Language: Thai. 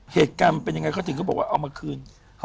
เหตุการณ์มันเป็นยังไงเขาถึงเขาบอกว่าเอามาคืน